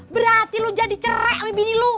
berarti lu jadi cerek sama bini lu